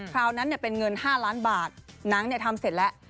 คราวนั้นเป็นเงิน๕ล้านบาทหนังทำเสร็จแล้ว